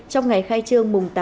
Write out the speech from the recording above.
trong ngày khai trương mùng tám